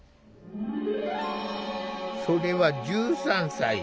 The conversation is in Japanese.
それは１３歳。